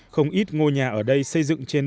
không ít ngôi nhà ở đây xây dựng trên đất nước